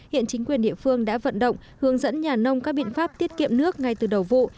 hiện chính quyền địa phương đã vận động hướng dẫn nhà nông các biện pháp tiết kiệm nước ngay từ đầu vụ